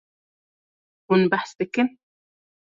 Hûn behs dikin.